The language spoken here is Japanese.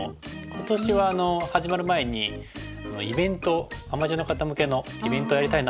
今年は始まる前にイベントアマチュアの方向けのイベントをやりたいなっていうふうに思ってて。